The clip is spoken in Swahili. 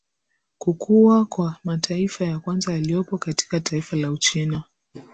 Kukua kwa mataifa ya kwanza yaliyopo katika taifa la Uchina